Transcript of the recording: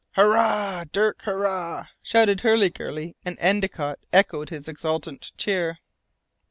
Hurrah, Dirk, hurrah!" shouted Hurliguerly, and Endicott echoed his exultant cheer.